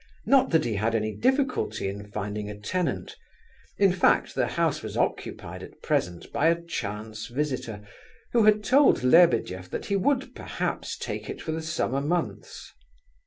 Not that he had any difficulty in finding a tenant; in fact the house was occupied at present by a chance visitor, who had told Lebedeff that he would perhaps take it for the summer months.